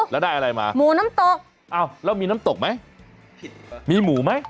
แล้วได้อะไรมาหมูน้ำตกอ้าวแล้วมีน้ำตกไหมมีหมูไหม